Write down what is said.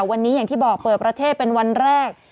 วันนี้อย่างที่บอกเปิดประเทศเป็นวันแรก